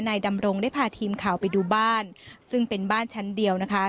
ดำรงได้พาทีมข่าวไปดูบ้านซึ่งเป็นบ้านชั้นเดียวนะคะ